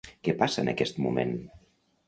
Què passa en aquest moment?